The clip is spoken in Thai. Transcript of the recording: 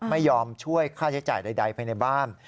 ไม่ยอมช่วยค่าใช้จ่ายใดภายในบ้าน